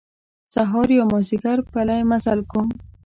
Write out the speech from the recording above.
سهار یا مازیګر پلی مزل کوم.